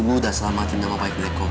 udah selamatin sama baik baik gue